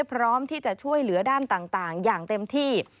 พร้อมที่จะช่วยเหลือด้านต่างอย่างเต็มที่